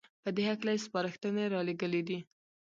په دې هکله يې سپارښنې رالېږلې دي